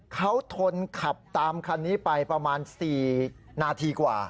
เขาทนขับตามคันนี้ไปประมาณ๔นาทีกว่า